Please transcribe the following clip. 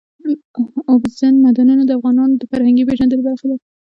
اوبزین معدنونه د افغانانو د فرهنګي پیژندنې برخه ده.